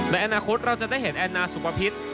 ในอนาคตเราจะได้เห็นแอนนาสุภิษ